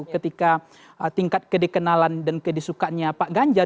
ketika tingkat kedikenalan dan kedisukannya pak ganjar